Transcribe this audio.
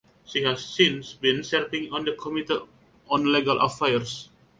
She has since been serving on the Committee on Legal Affairs.